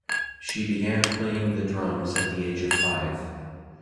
She began playing the drums at the age of five.